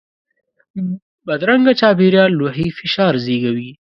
بدرنګه چاپېریال روحي فشار زیږوي